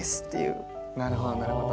なるほどなるほど。